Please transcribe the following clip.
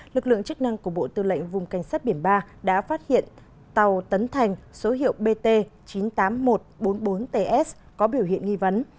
lực lượng chức năng của bộ tư lệnh vùng cảnh sát biển ba đã phát hiện tàu tấn thành số hiệu bt chín mươi tám nghìn một trăm bốn mươi bốn ts có biểu hiện nghi vấn